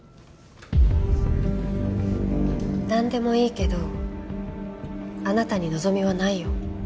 なんでもいいけどあなたに望みはないよ。